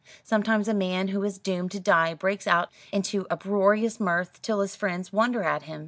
Sometimes a man who is doomed to die breaks out into uproarious mirth, till his friends wonder at him.